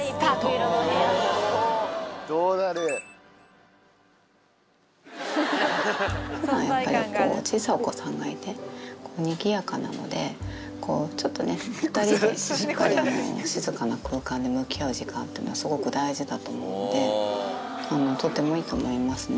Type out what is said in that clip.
ふだん、やっぱり小さいお子さんがいて、にぎやかなので、ちょっとね、２人で静かな空間で向き合う時間というのがすごく大事だと思うので、とてもいいと思いますね。